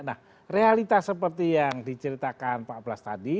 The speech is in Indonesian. nah realitas seperti yang diceritakan pak blas tadi